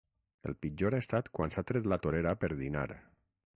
El pitjor ha estat quan s'ha tret la torera per dinar.